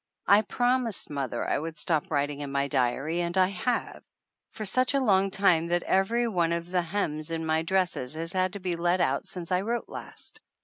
I promised mother I would stop writing in my diary and I have for such a long time that every one of the hems in my dresses has had to be let out since I wrote last.